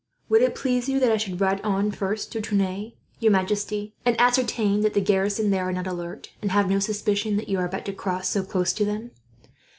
"Would it please you that I should ride on first to Tonneins, your majesty, and ascertain if the garrison there are not alert, and have no suspicion that you are about to cross so close to them?